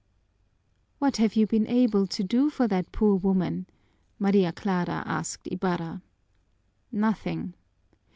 "What have you been able to do for that poor woman?" Maria Clara asked Ibarra. "Nothing!